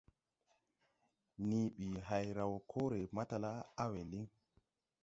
Nii ɓi hay raw koore, matala á a we liŋ.